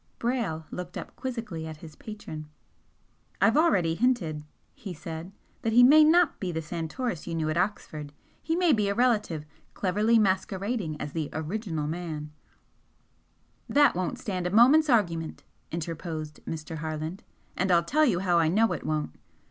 Brayle looked up quizzically at his patron. "I've already hinted," he said, "that he may not be the Santoris you knew at Oxford. He may be a relative, cleverly masquerading as the original man " "That won't stand a moment's argument," interposed Mr. Harland "And I'll tell you how I know it won't.